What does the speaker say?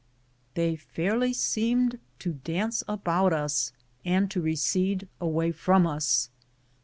They fairly seemed to dance about us, and to recede away from us.